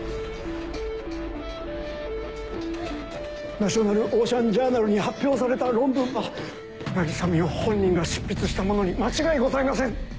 ・『ナショナルオーシャン・ジャーナル』に発表された論文は渚海音本人が執筆したものに間違いございません・